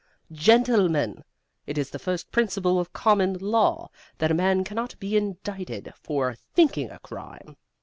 Gentlemen, it is the first principle of common law that a man cannot be indicted for thinking a crime.